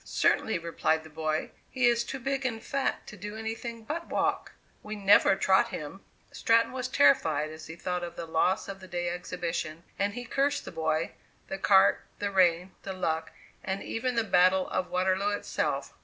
"Certainly," replied the boy; "he is too big and fat to do any thing but walk. We never trot him." Stratton was terrified as he thought of the loss of the day exhibition; and he cursed the boy, the cart, the rain, the luck, and even the battle of Waterloo itself.